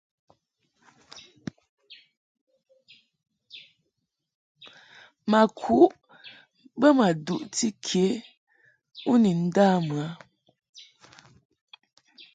Ma kuʼ bə ma duʼti ke u ni nda mɨ a.